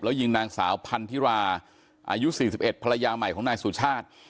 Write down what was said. แล้วยิงนางสาวพันธิราอายุ๔๑ภรรยาใหม่ของนายสุชาติ